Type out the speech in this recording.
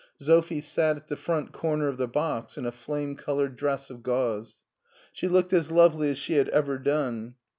Sophie sat in the front comer of the box in a flame colored dress of gauze. She looked as lovely as shp had ever done.